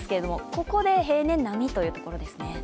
ここで平年並みというところですね。